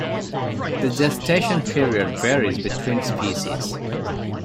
The gestation period varies between species.